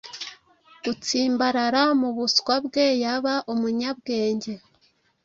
gutsimbarara mubuswa bwe yaba umunyabwenge.